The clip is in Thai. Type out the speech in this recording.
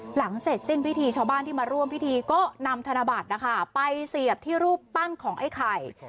หลังเสร็จสิ้นพิธีชาวบ้านที่มาร่วมพิธีก็นำธนบัตรนะคะไปเสียบที่รูปปั้นของไอ้ไข่